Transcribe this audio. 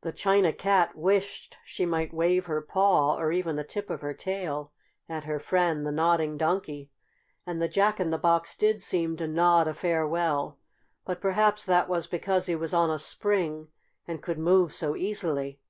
The China Cat wished she might wave her paw, or even the tip of her tail, at her friend, the Nodding Donkey, and the Jack in the Box did seem to nod a farewell, but perhaps that was because he was on a spring, and could move so easily.